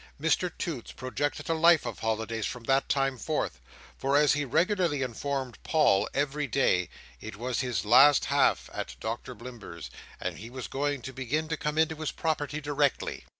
Mr Toots projected a life of holidays from that time forth; for, as he regularly informed Paul every day, it was his "last half" at Doctor Blimber's, and he was going to begin to come into his property directly.